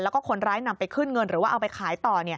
แล้วก็คนร้ายนำไปขึ้นเงินหรือว่าเอาไปขายต่อ